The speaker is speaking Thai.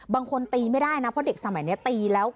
บางทีตีไม่ได้นะเพราะเด็กสมัยนี้ตีแล้ว